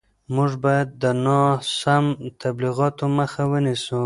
موږ باید د ناسم تبلیغاتو مخه ونیسو.